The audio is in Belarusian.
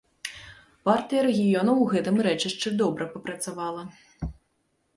Партыя рэгіёнаў у гэтым рэчышчы добра папрацавала.